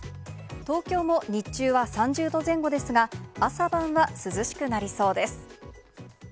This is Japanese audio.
東京も日中は３０度前後ですが、朝晩は涼しくなりそうです。